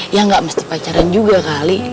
ya nggak mesti pacaran juga kali